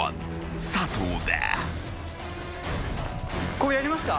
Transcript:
これやりますか？